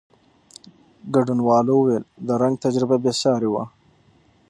ګډونوالو وویل، د رنګ تجربه بېساري وه.